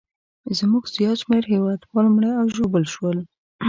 زموږ زیات شمېر هیوادوال مړه او ژوبل شول.